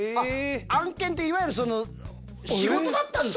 案件っていわゆるその仕事だったんですか？